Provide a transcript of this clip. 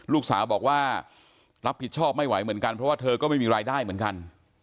ลูกสาวบอกว่ารับผิดชอบไม่ไหวเหมือนกันเพราะว่าเธอก็ไม่มีรายได้เหมือนกัน